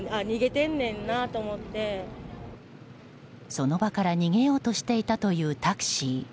その場から逃げようとしていたというタクシー。